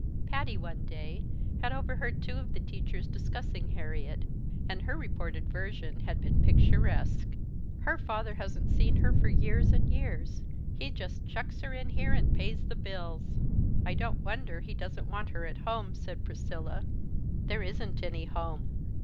Patty, one day, had overheard two of the teachers discussing Harriet, and her reported version had been picturesque. "Her father hasn't seen her for years and years. He just chucks her in here and pays the bills." "I don't wonder he doesn't want her at home!" said Priscilla. "There isn't any home.